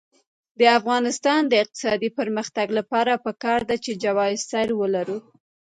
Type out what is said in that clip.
د افغانستان د اقتصادي پرمختګ لپاره پکار ده چې جواز سیر ولرو.